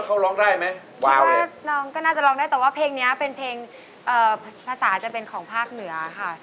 เขาร้องได้ไหมว่าน้องก็น่าจะร้องได้แต่ว่าเพลงนี้เป็นเพลงภาษาจะเป็นของภาคเหนือค่ะ